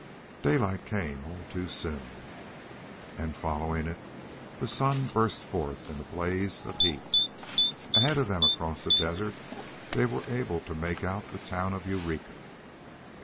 Daylight came all too soon, and following it the sun burst forth in a blaze of heat. Ahead of them across the desert they were able to make out the town of Eureka.